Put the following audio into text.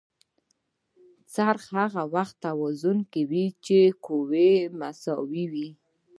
څرخ هغه وخت توازن کې وي چې قوې مساوي وي.